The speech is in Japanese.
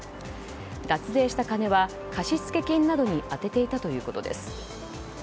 脱税した金は貸付金などに充てていたということです。